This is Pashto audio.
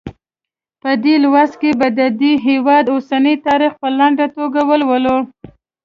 په دې لوست کې به د دې هېواد اوسنی تاریخ په لنډه توګه ولولو.